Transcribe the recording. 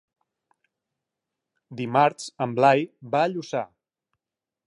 Dimarts en Blai va a Lluçà.